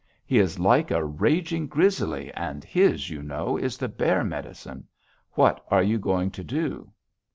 He is like a raging grizzly, and his, you know, is the bear medicine. What are you going to do?'